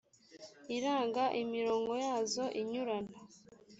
iranga imirongo yazo inyurana